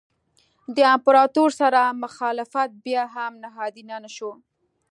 د امپراتور سره مخالفت بیا هم نهادینه نه شو.